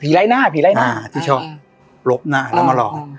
ผีไร้หน้าผีไร้หน้าอ่าที่ชอบปลบหน้าแล้วมาหลอดอ่า